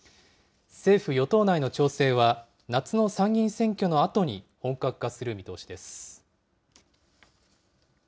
政府・与党内の調整は、夏の参議院選挙のあとに本格化する見通しです。